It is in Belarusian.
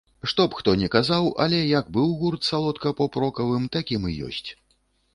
Што б хто не казаў, але як быў гурт салодка поп-рокавым, такім і ёсць.